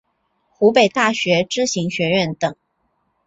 湖北大学知行学院等